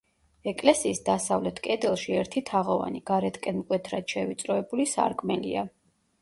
ეკლესიის დასავლეთ კედელში ერთი თაღოვანი, გარეთკენ მკვეთრად შევიწროებული სარკმელია.